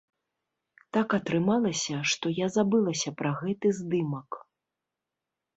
Так атрымалася, што я забылася пра гэты здымак.